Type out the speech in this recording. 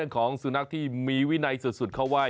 ของสุนัขที่มีวินัยสุดเข้าไห้